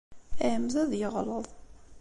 Iεemmed ad yeɣleḍ.